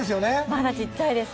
まだちっちゃいです。